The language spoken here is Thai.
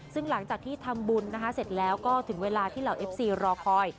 ซึ่งหลังจากที่ทำบุญนะคะเสร็จแล้วก็ถึงเวลาที่เหล่าเอฟซีรอคอย